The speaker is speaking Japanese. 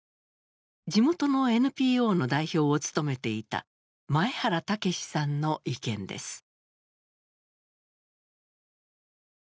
地元のＮＰＯの代表を務めていた前原剛さんの意見です。